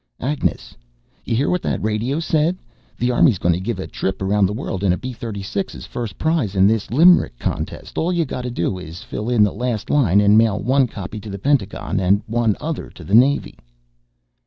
"... Agnes, you hear what the radio said! The Army's gonna give a trip around the world in a B 36 as first prize in this limerick contest. All you have to do is fill in the last line, and mail one copy to the Pentagon and the other to the Navy